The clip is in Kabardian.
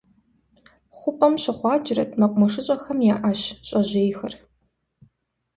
Хъупӏэм щыхъуакӏуэрт мэкъумэщыщIэхэм я ӏэщ щӏэжьейхэр.